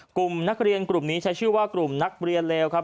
กลุ่มนักเรียนกลุ่มนี้ใช้ชื่อว่ากลุ่มนักเรียนเลวครับ